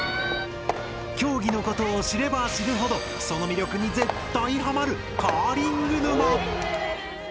競技のことを知れば知るほどその魅力に絶対ハマる「カーリング沼」！